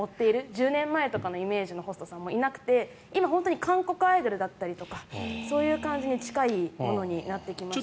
１０年前のイメージのホストさんもいなくて今、韓国アイドルとかそういう感じに近くなってきましたね。